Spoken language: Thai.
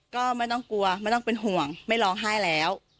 ก็ไม่ต้องกลัวไม่ต้องเป็นห่วงไม่ร้องไห้แล้ว